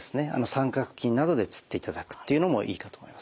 三角巾などでつっていただくっていうのもいいかと思います。